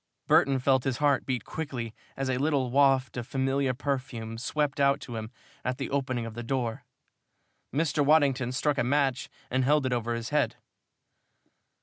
Burton felt his heart beat quickly as a little waft of familiar perfume swept out to him at the opening of the door. Mr. Waddington struck a match and held it over his head.